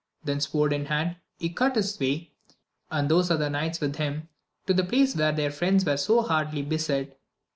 then sword in hand he cut his way, and those other knights with him, to the place where their friends were so hardly beset.